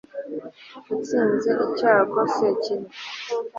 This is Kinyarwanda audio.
watsinze icyago sekibi